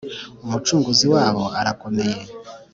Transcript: Umucunguzi wabo arakomeye